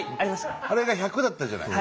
あれが１００だったじゃない？